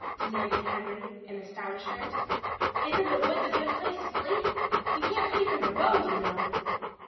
demanded Henry in astonishment. "Isn't the woods a good place to sleep? We can't sleep in the road, you know."